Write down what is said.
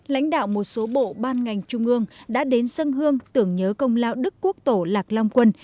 lãnh đạo một số bộ ban ngành trung ương đã đến sân hương tưởng nhớ công lao đức quốc tổ lạc long quân